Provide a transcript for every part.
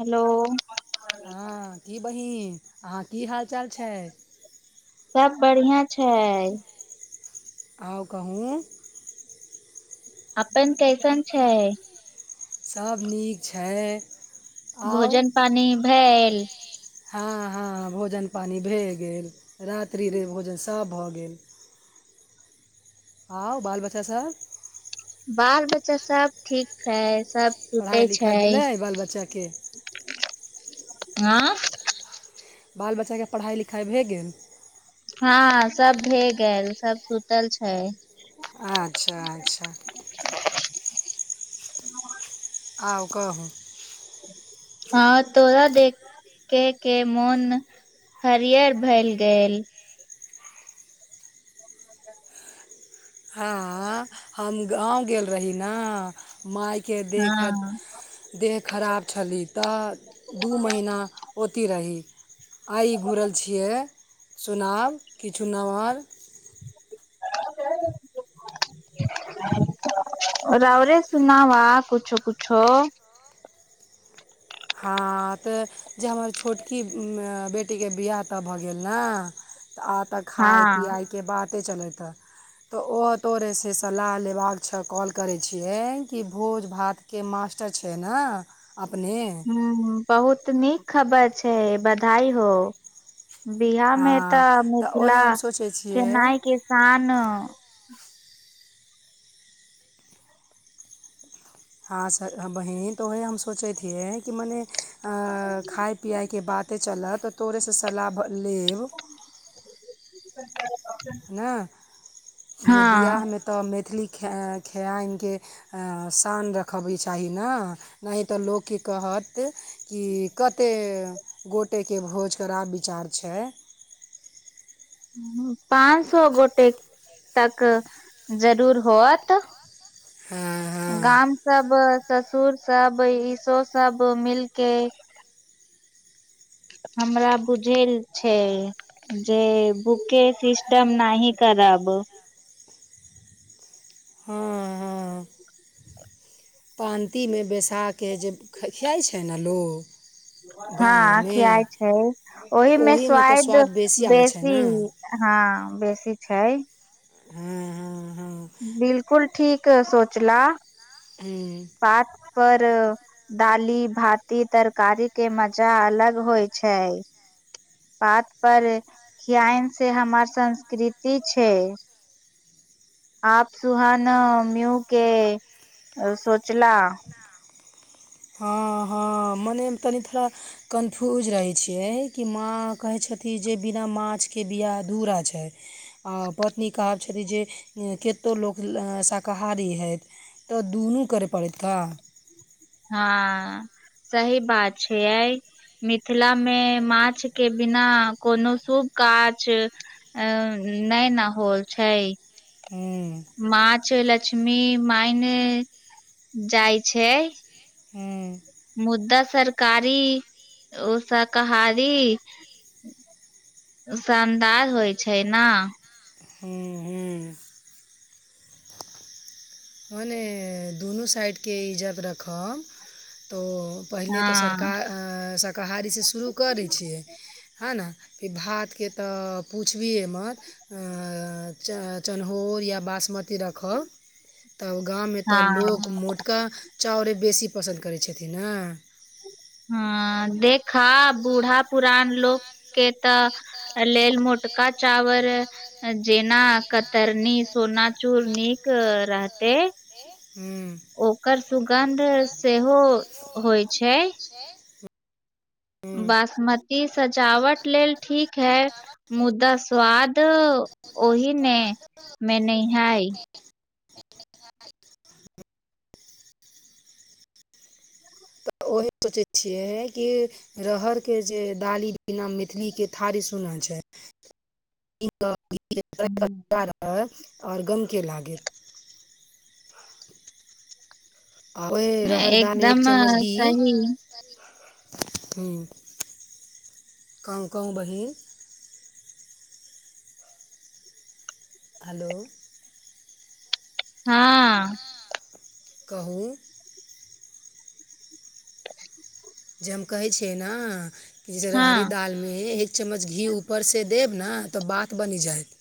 Hello हँ की बहिन अहाँ की हाल चाल छै सभ बढ़िया छै। आउ कहूँ अपन कैसन छै सबनीक छै आउ भोजन पानी भेल हँ हँ, भोजन-पानि भऽ गेल। रातिक भोजन सभ भऽ गेल। हँ बाल बच्चा सर बाल बच्चा सब ठीक छै सब छूतै पढ़ाइ छै लिखाइ भेलै बाल बच्चाके आँ बाल बच्चाके पढ़ाइ लिखाइ भए गेल हँ, सभ भऽ गेल, सभ सुतल छै। अच्छा अच्छा आउ कहू हँ तऽ ओरा देख के के मोन हरियर भऽ गेल। हं, हम गाँव गेल रही ने। माय के देखत हँ देह खराब छली तऽ दू महीना ओती रही आइ घुरल छियै, सुनाउ किछु नम्हर। [inaudible] रावरे सुनाउ, किछु-किछु। हँ तऽ जे हमर छोटकी बेटीके बियाह तऽ भऽ गेल ने तऽ आब तऽ हँ खाय-पियाय के बाते चलैत छै। तऽ ओ तोरेसँ सलाह लेबाक छै कॉल करै छियै कि भोज भात के मास्टर छै ने अपने हूँ बहुत नीक खबर छै बधाई हो बिहार मे हँ तऽ मिथिला ओहे हम सोचै छियै खेनाइ किसान हँ सर बहीन त ओह हम सोचे हे कि मने खाइ पियाइके बाते चलत तोरेसँ सलाह लेब ह है ने मने हँ बियाहमे तऽ मैथिली ख खआन कऽ शान रखबके चाही ने नै तऽ लोक की कहत कि कतेक गोटेके भोज कर आब विचार दे छै पाँच सो गोटे तक जरूर होत हँ हँ गाम सब ब ससुर सब इसो सब मिल के हमरा बुझै छै जे बुके सिस्टम नै खराब हँ हँ पानतीमे बैसा कऽ जे खियाइत छै ने लोक। हँ खियाइ छै तऽ ओहिमे तऽ स्वाइद स्वाद आबै छै बेसी ने हँ बेसी छै हँ हँ हँ बिलकुल ठीक सोचला हं पात पर डाली भात तरकारीक मजा अलग होइत छै। पात पर खियान से हमार संस्कृति छै आप सुहान म्यू के सोचला? हँ हँ मने तनि थरा कन्फ्यूज रहै छियै कि माँ कहै छथिन जे बिना माछके बियाहधूरा छै आ पत्नी कहब छथिन जे केतौ लोक शाकाहारी हथि तऽ दुनू करै पड़ैत का हँ सही बात छै अ मिथिला मे माछ के बिना कोनो शुभ काछ अ नहि न होल छै हू माछ लक्ष्मी माय जाइ छै हूँ मुद्दा सरकारी ओ शाकाही शानदार होइ छै ने हूँ हूँ मने हुनु साइड के इजग रख तरो पहिले त हँ सरकार अं स कहारीसँ शुरू करै छियै है न फ भातके तऽ पुछबहे मत अं चन चनहौल या बासमती रखौ त उ गाम मे त हँ मोटका चाउरे बेसी पसन्द करै छथिन न हँ देखा बूढ़ा पुरान लोक के तऽ लेल मोटका चावर जेना कतरनी सोना चूर नीक रहते हूँ ओकर सुगन्ध सेहो होइत छै। छै बासमती सजावट लेल ठीक है मुदा स्वाद ओहि ने मे नहि हइ तऽ ओही सोचै छियै कि रहरक जे डाली न, मैथिलीक थारी सुन छै। रह आओर गमके लागैत आ रहरदान एक एकदम चम्मच घी सही हू कहूँ कहूँ बहिन हेलो हँ कहू [inaudible] जे हम कहै छियै ने कि जैसे ररि हँ दालि मे चम्मच घी ऊपर से देब ने तऽ बात बनि जायत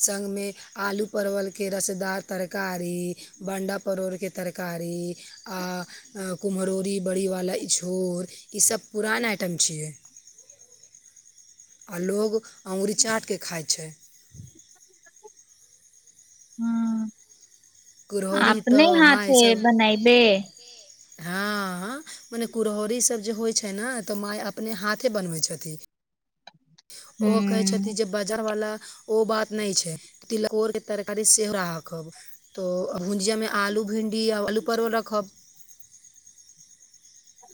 संग मे आलू परवल के रसदार तरकारी बंडा पड़ोड़क तरकारी। आ कुम्हरौरी बड़ीवाला इछोर ईसभ पुरान आइटम छियै आ लोग अंगुरी चाट कऽ खाइत छै ह कुरहड़ि अपने तऽ माइ हाथे सब बनायबे हँ मने कुुरहौरीसभ जे होइत छै ने तऽ माय अपने हाथे बनबैत छथि ओहो कहै छथि हूं जे बाजार वाला ओ बात नहि छै तिलकोर के तरकारी सेहो राखब तऽ भुजियामे आलू भिण्डी आ आलू परोल रखब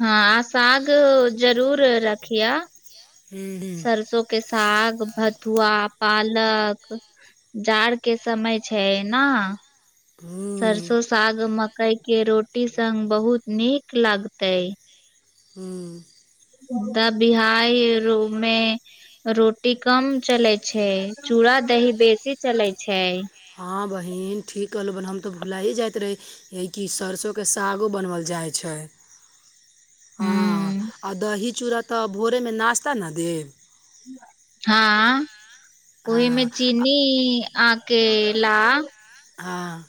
हँ आ साग जरूर रखिए हुं हुं सरसों के साग भथुआ पालक जाड़क समय छै ने, हुं सरसो सागमे। कय के रोटी सग बहुत नीक लागते हँ त बिहार रोमे रोटी कम चलै छै चूड़ा दही बेसी चले छै हँ बहिन, ठीक कहलहुँ, हम तऽ भुलाइ जाइत रही। य कि सरसोकं सागो बनओल जाइ छै हँ हूं आ दही चूड़ा तऽ भोरेमे नाश्ता ने देब हँ, ओहिमे हँ चीनी आके ला। हँ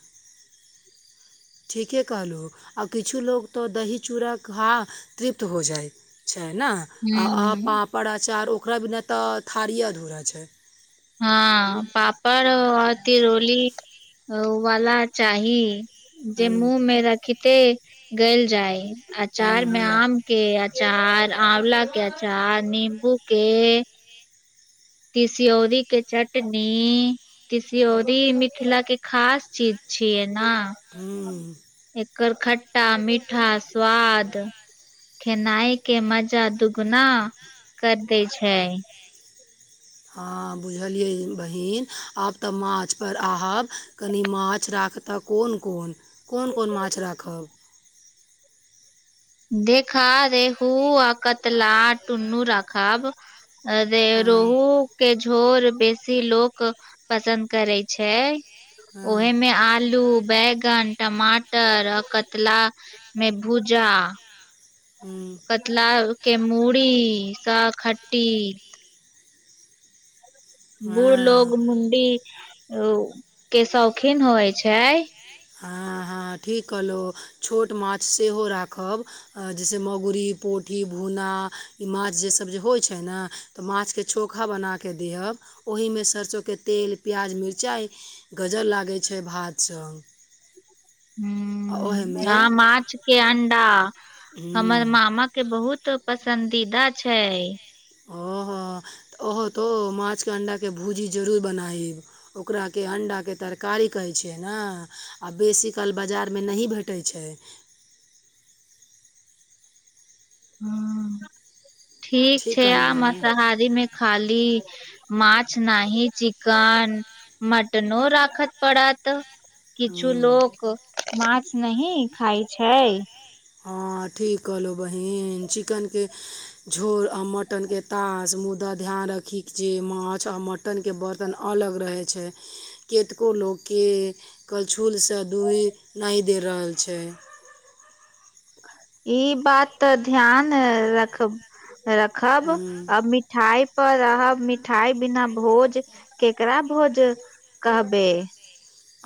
ठीके कहलहुँ आ किछु लोको तऽ दही चूड़ा खा तृप्त हो जाय छै न, आ हूं पापड़-अँचार ओकरा बिना तऽ थारी धुरे छै। हँ पापड़ आ तिरोली वला चाही जे हूँ मुँह मे रखिते गल जाय हूँ अचार मे हूँ आम के अचार आंवला के अचार नीमबू के तिस्योरी के चटनी तसिय्योरी मिथिला के खास चीज छियै ना हूँ एकर खट्टा मीठा स्वाद खेनाय के मजा दुगुना कर दे छै हँ बुझलियै बहीन आब तऽ माछपर आहब कनि माछ राखतह कोन कोन कोन कोन माछ राखब देख खा दे हू आ कतला टुनू रखब अर हँ रोहु के झोर बेसी लोक पसन्द करै छै हँ ओहेमे आलू बैगन टमाटर आ कतला मेभुजा हूँ कतला के मूड़ी सखट्टी बूढ़ हँ लोग मुंडी के शौकीन होइ छै हँ हँ ठीक कहलहुँ छोट माछ सेहो राखब जैसे मगुरी पोठी भुन्ना ई माछ जे सभ जे होइ छै ने तऽ माछके चोखा बनाके दहब ओहिमे सरिसोकं तेल प्याज मिरचाइ गजर लागैत छै भात सब ह ह ओहिमे माछ के अंडा हमर हम्म मामा के बहुत त पसन्दीदा छै ओहो तऽ ओहो तो माछके अंडाके भुजी जरूर बनाइब ओकराके अण्डाके तरकारी कहै छियै ने आ बेसीकाल बाजारमे नै भेटै छै ह ठीक छै आ कहली ने मसाहारी मे खाली मछ नै चिकन मटनो राखत पड़त किछ हम्म लोक माछ नह खाय छै हँ ठीक कहलहु बहीन चिकनके झोर आ मटनके तास मुदा ध्यान राखिक जे माछ आ मट बर्तनके बर्तन अलग रहै छै केतको लोकके करछुलसँ दूहि नहि दे रहल छै ई बात तऽ ध्यान रख रखब अ मि मिठाइ पर रहब मिठाइ बिना भोज केकरा भोज कहबे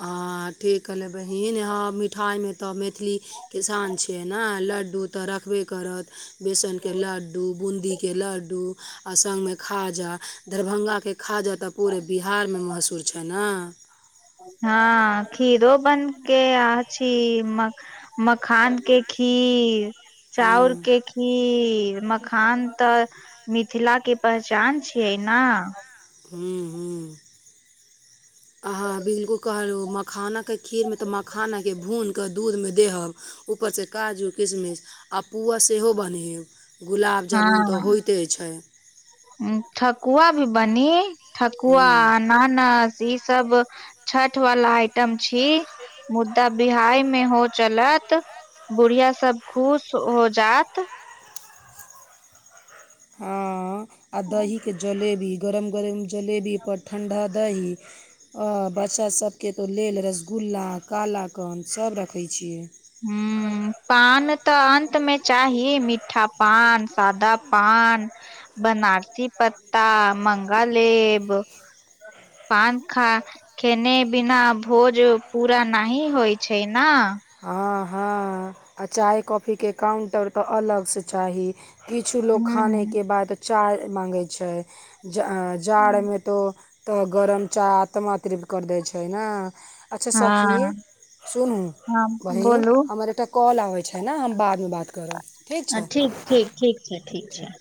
अं ठीक कहलै बहिन हँ मिठाइमे तऽ मैथिली किसान छियै ने लड्डू तऽ रखबे करत बेसनके लड्डू बूदीके लड्डू आ संगमे खाजा दरभङ्गाके खाजा तऽ पूरे बिहारमे मशहूर छै ना हँ खीरो बन के अ छी म मखान के खीर चाउर के खीर म खान तऽ मिथिला के पहचान छियै ना हं हं अहां बिलकुल कहल मखाना खीर मे तऽ मखाना के भुन क दूध मे देहब ऊपर से काजू किशमिश आ पुआ सेहो बन्हेब गुलाब जामुन तऽ हँ होइते छै ठकुआ भी बनी ठकुआ हुँ न न ई सब छठ वला आइटम छी मु त बिआहि मे हो चलत बुढ़िया सब खुश हो जात हँ आ दहीके जलेबी गरम गरम जलेबीपर ठण्ढा दही ह बच्चा सबके तऽ लेल रसगुल्ला काला कान सभ रखै छियै हूं पान तऽ अन्त मे चाही मीठा पान सादा पान बनारसी पत्ता मंगालेब पानखा खेने बिना भोज पूरा नी होइ छै न हँ हँ आ चाय कॉफीके काउं्टर तऽ अलगसँ चाही किछु लोक हूं खानेके बाद चाय मा गे छै जा जाड़मे तऽ तऽ गरम चाह आत्मा त्रृप्त करि दै छै ने अच्छा सखी हँ सुनू हम बहिन बोलू हमर एकटा कॉल आबै छै ने हम बादमे बात करब ठीक छै ठीक ठीक छै ठीक छै